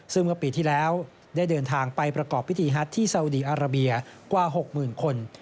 ซึ่งเมื่อปีที่แล้วได้เดินทางไปประกอบพิธีฮัทที่ซาอุดีอาราเบียกว่า๖๐๐๐คน